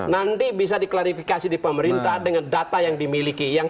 nanti bisa diklarifikasi di pemerintah dengan data yang dimiliki